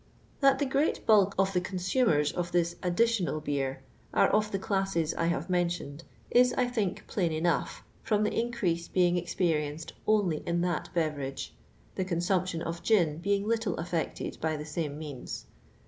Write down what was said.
That the great bulk of the consumers of this addUional beer are of the classes I have men tioned is, I think, plain enough, from the increase being experienced only in tliat beverage, the con sumption of gin being little affected by the same means.